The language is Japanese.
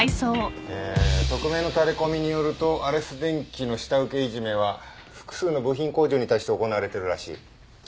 え匿名のタレコミによるとアレス電機の下請けいじめは複数の部品工場に対して行われているらしい